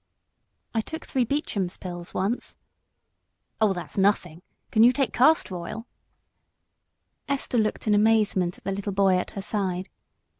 "I took three Beecham's pills once." "Oh, that's nothing. Can you take castor oil?" Esther looked in amazement at the little boy at her side.